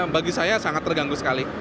bagi saya sangat terganggu sekali